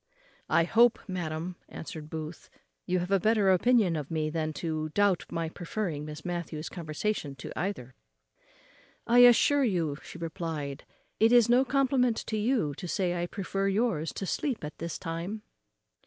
"I hope, madam," answered Booth, "you have a better opinion of me than to doubt my preferring Miss Matthews's conversation to either." "I assure you," replied she, "it is no compliment to you to say I prefer yours to sleep at this time."